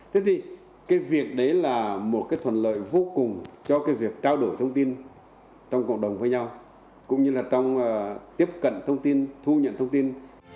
thế thì cái việc đấy là một cái thuận lợi vô cùng cho cái việc trao đổi thông tin trong cộng đồng với nhau cũng như là trong tiếp cận thông tin thu nhận thông tin